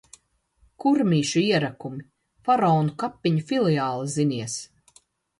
Kurmīšu ierakumi. Faraonu kapeņu filiāle, zinies!